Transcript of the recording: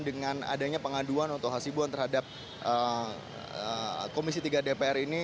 dengan adanya pengaduan atau hasil buang terhadap komisi tiga dpr ini